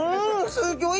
すギョい